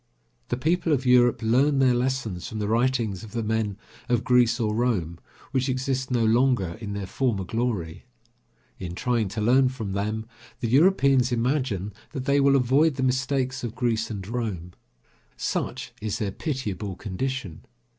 The people of Europe learn their lessons from the writings of the men of Greece or Rome, which exist no longer in their former glory. In trying to learn from them, the Europeans imagine that they will avoid the mistakes of Greece and Rome. Such is their pitiable condition.